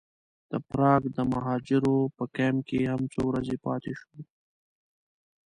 د پراګ د مهاجرو په کمپ کې هم څو ورځې پاتې شوو.